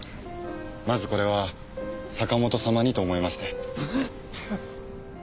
まずこれは坂本様にと思いまして。